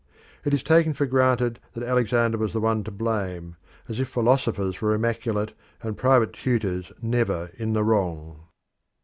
It is taken for granted that Alexander was the one to blame, as if philosophers were immaculate and private tutors never in the wrong.